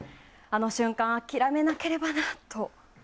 あの瞬間、諦めなければなと。